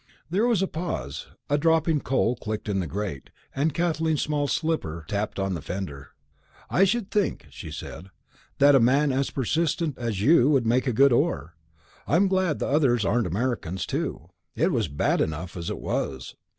There was a pause. A dropping coal clicked in the grate, and Kathleen's small slipper tapped on the fender. "I should think," she said, "that a man as persistent as you would make a good oar. I'm glad the others aren't Americans, too. It was bad enough as it was!"